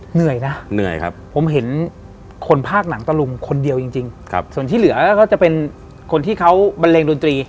เหนื่อยนะเหนื่อยครับผมเห็นคนภาคหนังตะลุงคนเดียวจริงส่วนที่เหลือก็จะเป็นคนที่เขาบันเลงดนตรี